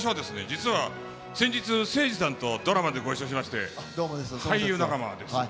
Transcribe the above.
実は先日せいじさんとドラマでご一緒しまして俳優仲間です。